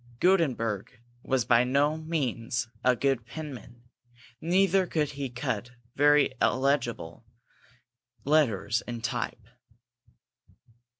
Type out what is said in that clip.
Gutenberg was by no means a good penman, neither could he cut very legible letters in type.